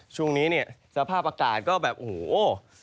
ช่วงนี้เนี่ยสภาพอากาศก็แบบโอ้โห